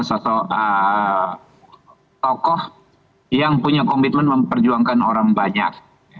sama sama tokoh yang punya komitmen memperjuangkan orang banyak